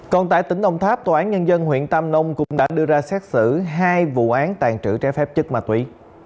còn tại tỉnh âu tháp tòa án nhân dân huyện tam nông cũng đã đưa ra xét xử hai vụ án tàn trữ trái phép chức mà tuy